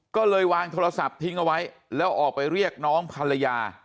ก็เลยวางโทรศัพท์ทิ้งเอาไว้แล้วออกไปเรียกน้องภรรยา